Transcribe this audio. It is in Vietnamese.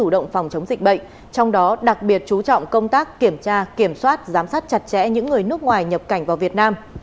động phòng chống dịch bệnh trong đó đặc biệt chú trọng công tác kiểm tra kiểm soát giám sát chặt chẽ những người nước ngoài nhập cảnh vào việt nam